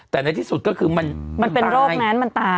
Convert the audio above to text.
แต่ในที่สุดก็คือมันเป็นโรคแม้นมันตาย